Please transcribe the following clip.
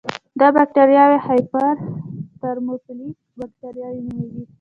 دا بکټریاوې هایپر ترموفیلیک بکټریاوې نومېږي.